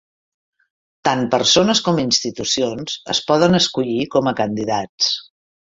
Tant persones com institucions es poden escollir com a candidats.